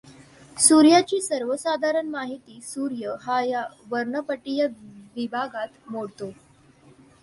सूर्याची सर्वसाधारण माहिती सूर्य हा या वर्णपटीय विभागात मोडतो.